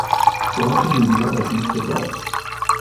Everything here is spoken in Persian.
خوراک لوبیا و گوشت گاو